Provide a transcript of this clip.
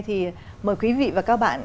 thì mời quý vị và các bạn